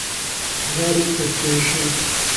ههزاری کورسی نشین